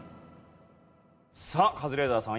さあカズレーザーさん